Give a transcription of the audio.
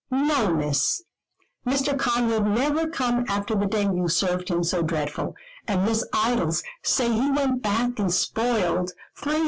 "No, Miss, Mr. Conrad never come after the day you served him so dreadful; and Miss Idols say he went back and spoiled 300*l.